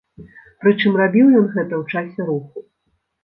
Прычым рабіў ён гэта у часе руху.